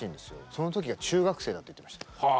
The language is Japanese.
その時が中学生だって言ってました。